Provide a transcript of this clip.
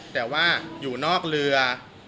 แต่ว่าอยู่นอกเรือ